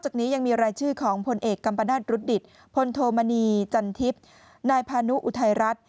คือของพลเอกกัมปะนาฏรุดดิตพลโธมณีจันทิพย์นายพานุอุทัยรัฐ